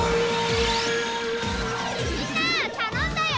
みんな頼んだよ！